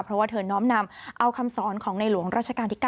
เพราะว่าเธอน้อมนำเอาคำสอนของในหลวงราชการที่๙